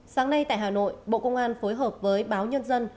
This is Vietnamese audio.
sáng nay tại hà nội bộ công an phối hợp với báo nhân dân